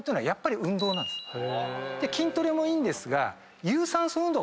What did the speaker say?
筋トレもいいんですが。